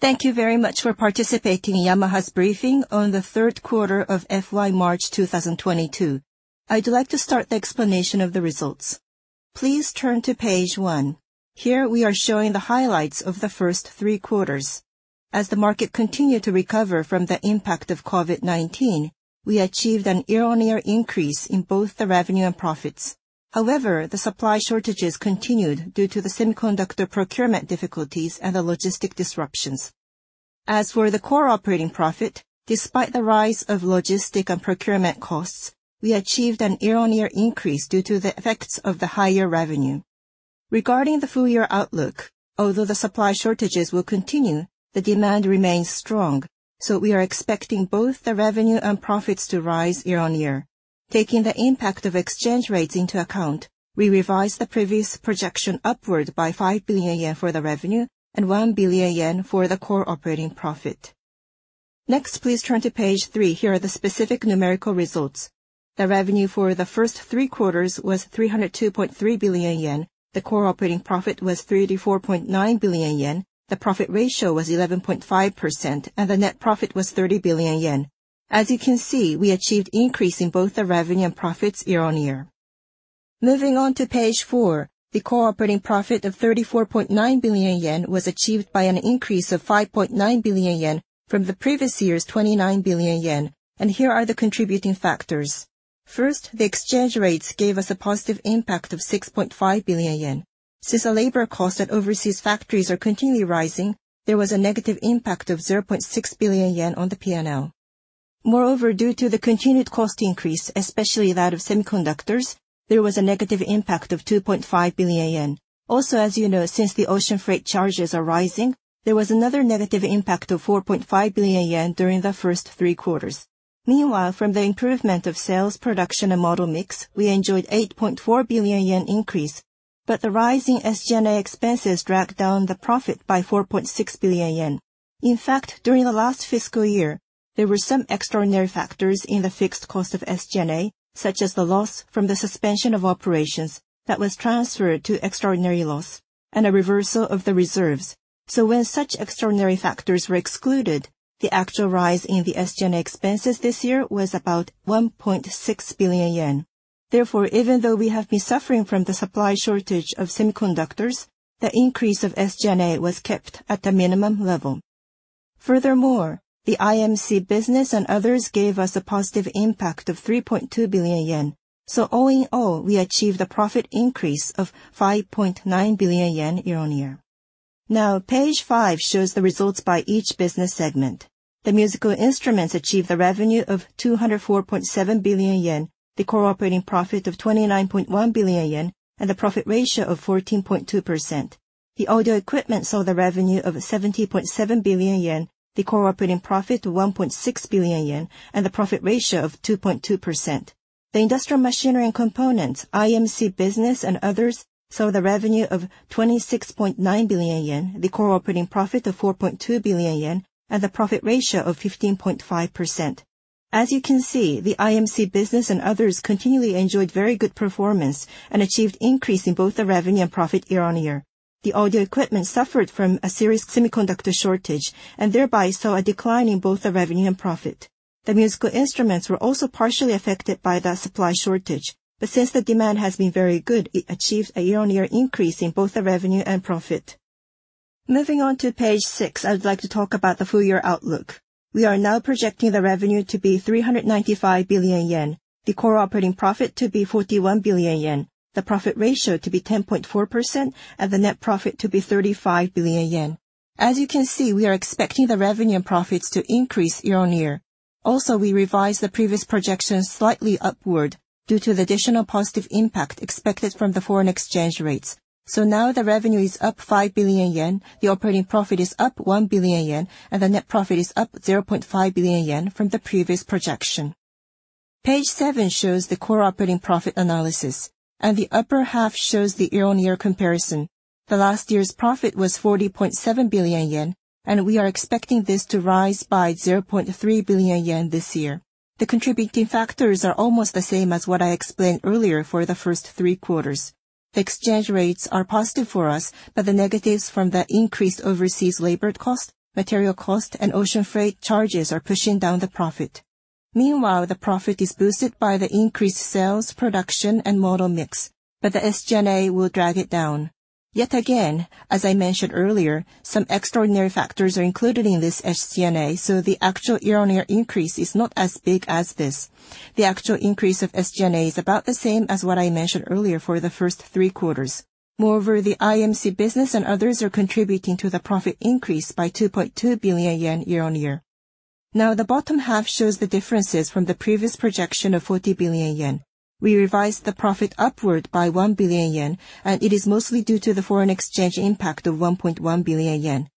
Thank you very much for participating in Yamaha's briefing on the Q3 of FY March 2022. I'd like to start the explanation of the results. Please turn to page 1. Here, we are showing the highlights of the first three quarters. As the market continued to recover from the impact of COVID-19, we achieved a year-on-year increase in both the revenue and profits. However, the supply shortages continued due to the semiconductor procurement difficulties and the logistics disruptions. As for the core operating profit, despite the rise of logistics and procurement costs, we achieved a year-on-year increase due to the effects of the higher revenue. Regarding the full year outlook, although the supply shortages will continue, the demand remains strong, so we are expecting both the revenue and profits to rise year-on-year. Taking the impact of exchange rates into account, we revised the previous projection upward by 5 billion yen for the revenue and 1 billion yen for the core operating profit. Next, please turn to page 3. Here are the specific numerical results. The revenue for the first three quarters was 302.3 billion yen. The core operating profit was 34.9 billion yen. The profit ratio was 11.5%, and the net profit was 30 billion yen. As you can see, we achieved increase in both the revenue and profits year-on-year. Moving on to page 4. The core operating profit of 34.9 billion yen was achieved by an increase of 5.9 billion yen from the previous year's 29 billion yen. Here are the contributing factors. First, the exchange rates gave us a positive impact of 6.5 billion yen. Since the labor cost at overseas factories are continually rising, there was a negative impact of 0.6 billion yen on the P&L. Moreover, due to the continued cost increase, especially that of semiconductors, there was a negative impact of 2.5 billion yen. Also, as you know, since the ocean freight charges are rising, there was another negative impact of 4.5 billion yen during the first three quarters. Meanwhile, from the improvement of sales, production and model mix, we enjoyed 8.4 billion yen increase, but the rise in SG&A expenses dragged down the profit by 4.6 billion yen. In fact, during the last fiscal year, there were some extraordinary factors in the fixed cost of SG&A, such as the loss from the suspension of operations that was transferred to extraordinary loss and a reversal of the reserves. When such extraordinary factors were excluded, the actual rise in the SG&A expenses this year was about 1.6 billion yen. Therefore, even though we have been suffering from the supply shortage of semiconductors, the increase of SG&A was kept at the minimum level. Furthermore, the IMC business and others gave us a positive impact of 3.2 billion yen. All in all, we achieved a profit increase of 5.9 billion yen year-on-year. Now, page five shows the results by each business segment. The Musical Instruments achieved a revenue of 204.7 billion yen, the core operating profit of 29.1 billion yen, and the profit ratio of 14.2%. The Audio Equipment saw the revenue of 70.7 billion yen, the core operating profit of 1.6 billion yen, and the profit ratio of 2.2%. The Industrial Machinery and Components, IMC business and others saw the revenue of 26.9 billion yen, the core operating profit of 4.2 billion yen, and the profit ratio of 15.5%. You can see, the IMC business and others continually enjoyed very good performance and achieved increase in both the revenue and profit year-on-year. The Audio Equipment suffered from a serious semiconductor shortage and thereby saw a decline in both the revenue and profit. The musical instruments were also partially affected by that supply shortage, but since the demand has been very good, it achieved a year-on-year increase in both the revenue and profit. Moving on to page six, I would like to talk about the full year outlook. We are now projecting the revenue to be 395 billion yen, the core operating profit to be 41 billion yen, the profit ratio to be 10.4%, and the net profit to be 35 billion yen. As you can see, we are expecting the revenue and profits to increase year-on-year. Also, we revised the previous projection slightly upward due to the additional positive impact expected from the foreign exchange rates. Now the revenue is up 5 billion yen, the operating profit is up 1 billion yen, and the net profit is up 0.5 billion yen from the previous projection. Page 7 shows the core operating profit analysis, and the upper half shows the year-on-year comparison. The last year's profit was 40.7 billion yen, and we are expecting this to rise by 0.3 billion yen this year. The contributing factors are almost the same as what I explained earlier for the first 3 quarters. The exchange rates are positive for us, but the negatives from the increased overseas labor cost, material cost, and ocean freight charges are pushing down the profit. Meanwhile, the profit is boosted by the increased sales, production and model mix, but the SG&A will drag it down. Yet again, as I mentioned earlier, some extraordinary factors are included in this SG&A, so the actual year-on-year increase is not as big as this. The actual increase of SG&A is about the same as what I mentioned earlier for the first three quarters. Moreover, the IMC business and others are contributing to the profit increase by 2.2 billion yen year-on-year. Now, the bottom half shows the differences from the previous projection of 40 billion yen. We revised the profit upward by 1 billion yen, and it is mostly due to the foreign exchange impact of 1.1 billion yen.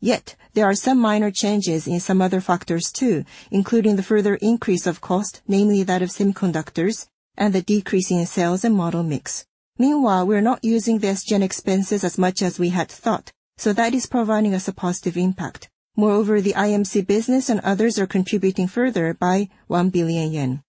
Yet, there are some minor changes in some other factors too, including the further increase of cost, namely that of semiconductors and the decrease in sales and model mix. Meanwhile, we are not using the SG&A expenses as much as we had thought, so that is providing us a positive impact. Moreover, the IMC business and others are contributing further by 1 billion yen.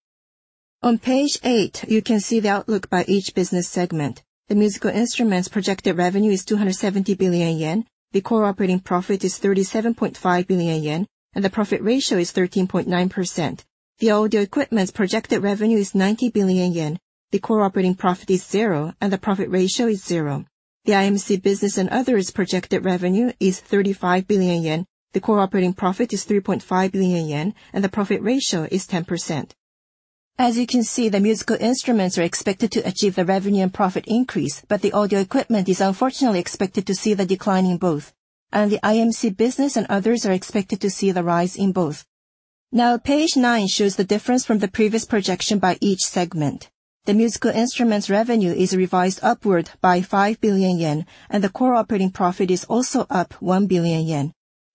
On page 8, you can see the outlook by each business segment. The musical instruments projected revenue is 270 billion yen. The core operating profit is 37.5 billion yen, and the profit ratio is 13.9%. The audio equipment's projected revenue is 90 billion yen. The core operating profit is 0 and the profit ratio is 0%. The IMC business and others projected revenue is 35 billion yen. The core operating profit is 3.5 billion yen, and the profit ratio is 10%. As you can see, the Musical Instruments are expected to achieve the revenue and profit increase, but the Audio Equipment is unfortunately expected to see the decline in both. The IMC business and others are expected to see the rise in both. Now page 9 shows the difference from the previous projection by each segment. The Musical Instruments revenue is revised upward by 5 billion yen, and the core operating profit is also up 1 billion yen.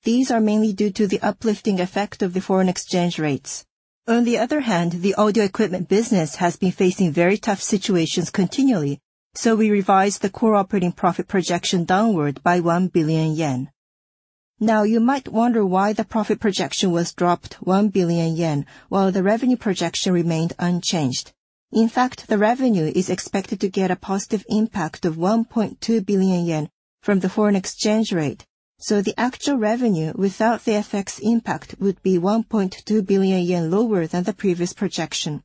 These are mainly due to the uplifting effect of the foreign exchange rates. On the other hand, the Audio Equipment business has been facing very tough situations continually. We revised the core operating profit projection downward by 1 billion yen. Now you might wonder why the profit projection was dropped 1 billion yen while the revenue projection remained unchanged. In fact, the revenue is expected to get a positive impact of 1.2 billion yen from the foreign exchange rate. The actual revenue without the FX impact would be 1.2 billion yen lower than the previous projection.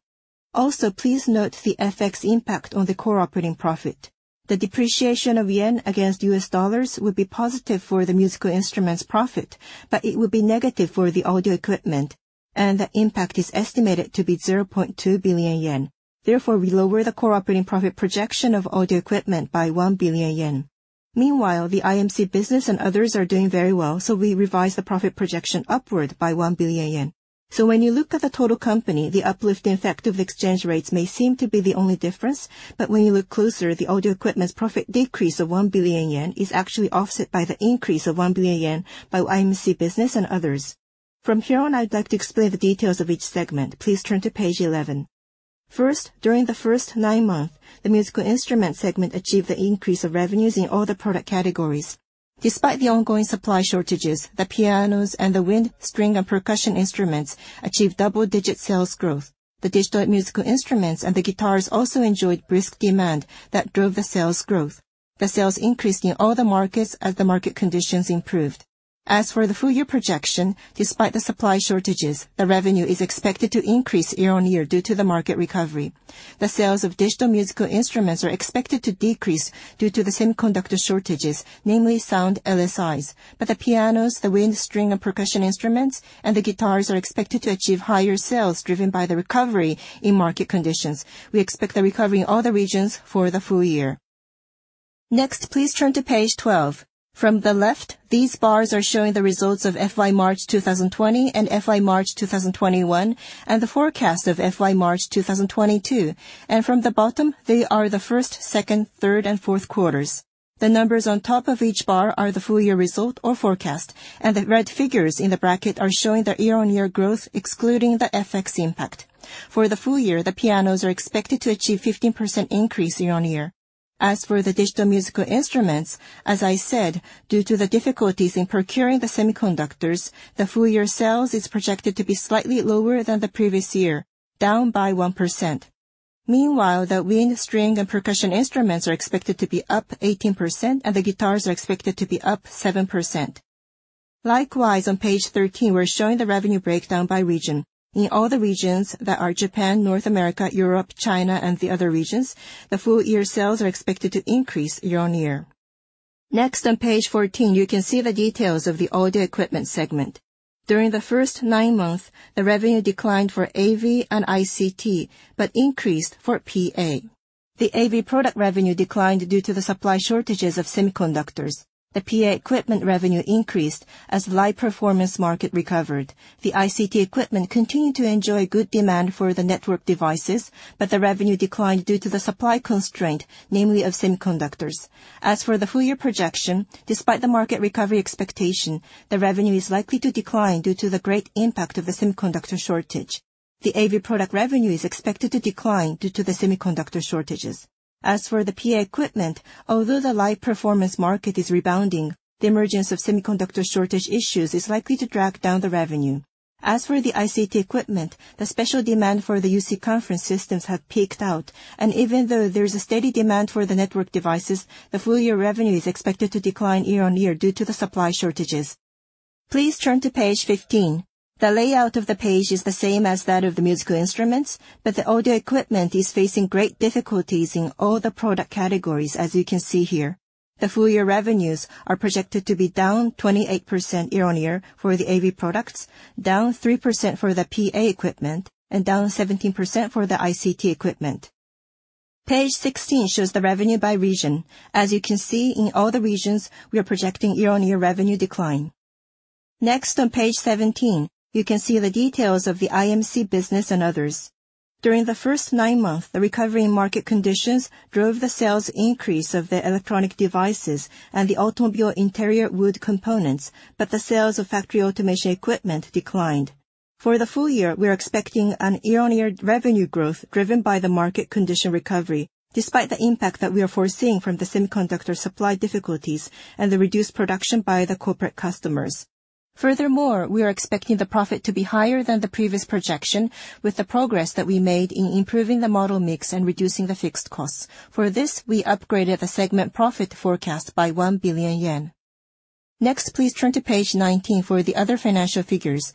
Also, please note the FX impact on the core operating profit. The depreciation of yen against U.S. dollars would be positive for the musical instruments profit, but it would be negative for the audio equipment, and the impact is estimated to be 0.2 billion yen. Therefore, we lower the core operating profit projection of audio equipment by 1 billion yen. Meanwhile, the IMC business and others are doing very well, so we revised the profit projection upward by 1 billion yen. When you look at the total company, the uplift effect of exchange rates may seem to be the only difference. When you look closer, the audio equipment's profit decrease of 1 billion yen is actually offset by the increase of 1 billion yen by IMC business and others. From here on, I'd like to explain the details of each segment. Please turn to page 11. First, during the first nine months, the Musical Instruments segment achieved the increase of revenues in all the product categories. Despite the ongoing supply shortages, the pianos and the wind, string, and percussion instruments achieved double-digit sales growth. The digital musical instruments and the guitars also enjoyed brisk demand that drove the sales growth. The sales increased in all the markets as the market conditions improved. As for the full-year projection, despite the supply shortages, the revenue is expected to increase year-on-year due to the market recovery. The sales of digital musical instruments are expected to decrease due to the semiconductor shortages, namely sound LSIs. The pianos, the wind, string, and percussion instruments, and the guitars are expected to achieve higher sales driven by the recovery in market conditions. We expect the recovery in all the regions for the full year. Next, please turn to page 12. From the left, these bars are showing the results of FY March 2020 and FY March 2021, and the forecast of FY March 2022. From the bottom, they are the first, second, third, and Q4s. The numbers on top of each bar are the full year result or forecast, and the red figures in the bracket are showing the year-over-year growth, excluding the FX impact. For the full year, the pianos are expected to achieve 15% increase year-on-year. As for the digital musical instruments, as I said, due to the difficulties in procuring the semiconductors, the full year sales is projected to be slightly lower than the previous year, down by 1%. Meanwhile, the wind, string, and percussion instruments are expected to be up 18%, and the guitars are expected to be up 7%. Likewise, on page 13, we're showing the revenue breakdown by region. In all the regions that are Japan, North America, Europe, China, and the other regions, the full year sales are expected to increase year-on-year. Next on page 14, you can see the details of the audio equipment segment. During the first 9 months, the revenue declined for AV and ICT, but increased for PA. The AV product revenue declined due to the supply shortages of semiconductors. The PA equipment revenue increased as live performance market recovered. The ICT equipment continued to enjoy good demand for the network devices, but the revenue declined due to the supply constraint, namely of semiconductors. As for the full year projection, despite the market recovery expectation, the revenue is likely to decline due to the great impact of the semiconductor shortage. The AV product revenue is expected to decline due to the semiconductor shortages. As for the PA equipment, although the live performance market is rebounding, the emergence of semiconductor shortage issues is likely to drag down the revenue. As for the ICT equipment, the special demand for the UC conference systems have peaked out. Even though there's a steady demand for the network devices, the full year revenue is expected to decline year-on-year due to the supply shortages. Please turn to page 15. The layout of the page is the same as that of the musical instruments, but the audio equipment is facing great difficulties in all the product categories, as you can see here. The full year revenues are projected to be down 28% year-on-year for the AV products, down 3% for the PA equipment, and down 17% for the ICT equipment. Page 16 shows the revenue by region. As you can see, in all the regions, we are projecting year-on-year revenue decline. Next on page 17, you can see the details of the IMC business and others. During the first 9 months, the recovery in market conditions drove the sales increase of the electronic devices and the automobile interior wood components, but the sales of factory automation equipment declined. For the full year, we are expecting a year-on-year revenue growth driven by the market condition recovery despite the impact that we are foreseeing from the semiconductor supply difficulties and the reduced production by the corporate customers. Furthermore, we are expecting the profit to be higher than the previous projection with the progress that we made in improving the model mix and reducing the fixed costs. For this, we upgraded the segment profit forecast by 1 billion yen. Next, please turn to page 19 for the other financial figures.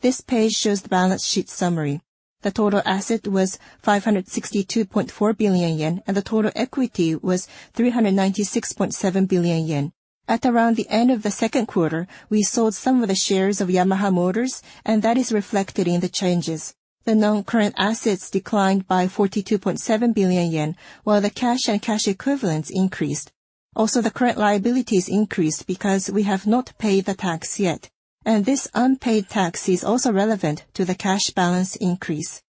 This page shows the balance sheet summary. The total asset was 562.4 billion yen, and the total equity was 396.7 billion yen. At around the end of the Q2, we sold some of the shares of Yamaha Motors, and that is reflected in the changes. The non-current assets declined by 42.7 billion yen, while the cash and cash equivalents increased. The current liabilities increased because we have not paid the tax yet, and this unpaid tax is also relevant to the cash balance increase.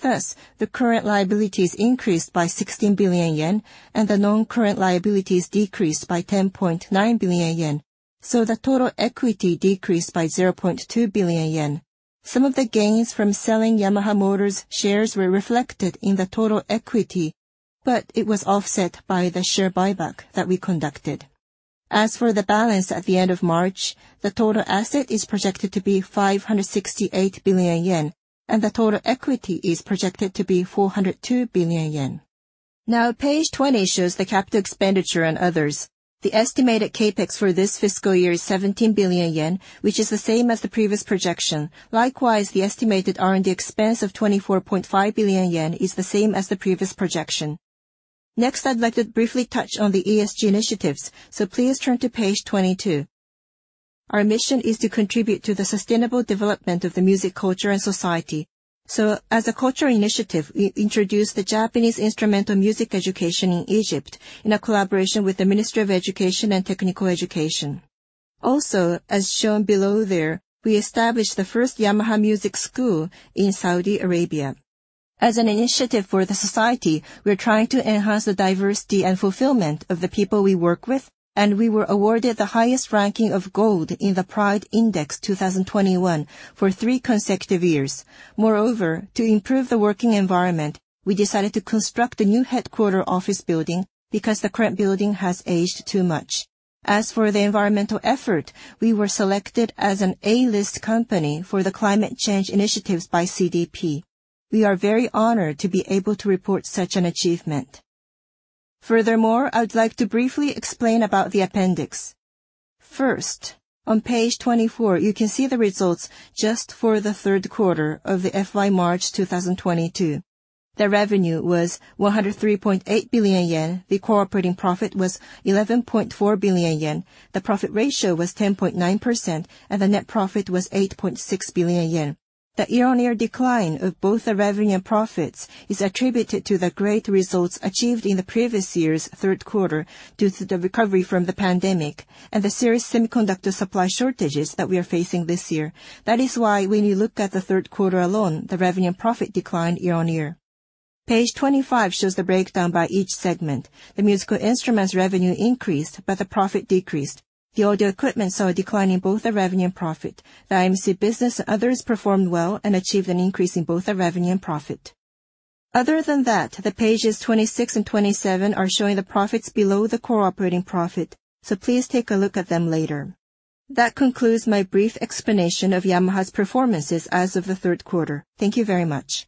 Thus, the current liabilities increased by 16 billion yen, and the non-current liabilities decreased by 10.9 billion yen. The total equity decreased by 0.2 billion yen. Some of the gains from selling Yamaha Motor's shares were reflected in the total equity, but it was offset by the share buyback that we conducted. As for the balance at the end of March, the total asset is projected to be 568 billion yen, and the total equity is projected to be 402 billion yen. Now, page 20 shows the capital expenditure and others. The estimated CapEx for this fiscal year is 17 billion yen, which is the same as the previous projection. Likewise, the estimated R&D expense of 24.5 billion yen is the same as the previous projection. Next, I'd like to briefly touch on the ESG initiatives, so please turn to page 22. Our mission is to contribute to the sustainable development of the music culture and society. As a culture initiative, we introduced the Japanese instrumental music education in Egypt in a collaboration with the Ministry of Education and Technical Education. Also, as shown below there, we established the first Yamaha Music School in Saudi Arabia. As an initiative for the society, we are trying to enhance the diversity and fulfillment of the people we work with, and we were awarded the highest ranking of gold in the PRIDE Index 2021 for three consecutive years. Moreover, to improve the working environment, we decided to construct a new headquarters office building because the current building has aged too much. As for the environmental effort, we were selected as an A-list company for the climate change initiatives by CDP. We are very honored to be able to report such an achievement. Furthermore, I would like to briefly explain about the appendix. First, on page 24, you can see the results just for the Q3 of the FY March 2022. The revenue was 103.8 billion yen. The operating profit was 11.4 billion yen. The profit ratio was 10.9%, and the net profit was 8.6 billion yen. The year-on-year decline of both the revenue and profits is attributed to the great results achieved in the previous year's Q3 due to the recovery from the pandemic and the serious semiconductor supply shortages that we are facing this year. That is why when you look at the Q3 alone, the revenue and profit declined year on year. Page 25 shows the breakdown by each segment. The musical instruments revenue increased, but the profit decreased. The audio equipment saw a decline in both the revenue and profit. The IMC business and others performed well and achieved an increase in both the revenue and profit. Other than that, pages 26 and 27 are showing the profits below the operating profit, so please take a look at them later. That concludes my brief explanation of Yamaha's performance as of the Q3. Thank you very much.